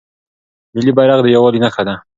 ملي بیرغ د یووالي نښه ده.